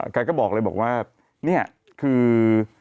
แกก็บอกเลยบอกว่านี่คือ